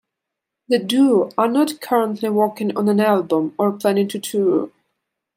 The duo are not currently working on an album or planning to tour.